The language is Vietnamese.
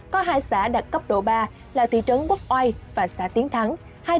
có hai xã đạt cấp độ ba là thị trấn bốc oai và xã tiến thắng